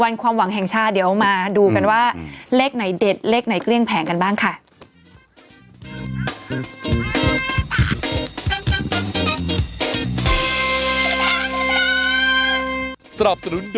ความหวังแห่งชาติเดี๋ยวมาดูกันว่าเลขไหนเด็ดเลขไหนเกลี้ยงแผงกันบ้างค่ะ